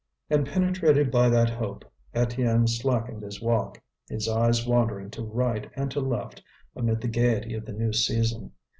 And penetrated by that hope, Étienne slackened his walk, his eyes wandering to right and to left amid the gaiety of the new season.